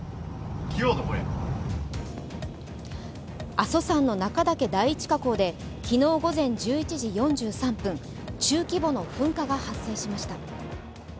阿蘇山の中岳第一火口で昨日午前１１時４３分中規模の噴火が発生しました。